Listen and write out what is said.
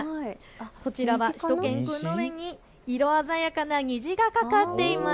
こちらは、しゅと犬くんの上に色鮮やかな虹がかかっています。